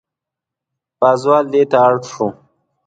پازوال دېته اړ شو.